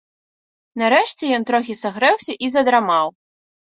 Нарэшце ён трохі сагрэўся і задрамаў.